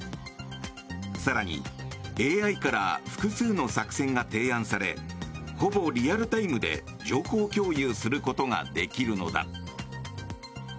更にＡＩから複数の作戦が提案されほぼリアルタイムで情報共有することができるのだ。